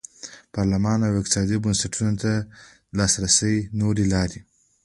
پارلمان او اقتصادي بنسټونو ته د لاسرسي نورې لارې.